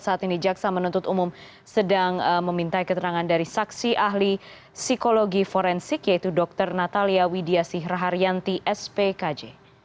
saat ini jaksa menuntut umum sedang meminta keterangan dari saksi ahli psikologi forensik yaitu dr natalia widiasih raharyanti spkj